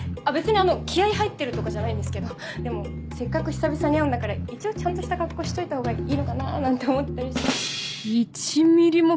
別にあの気合入ってるとかじゃないんですけどでもせっかく久々に会うんだから一応ちゃんとした格好しておいたほうがいいのかななんて思ったり。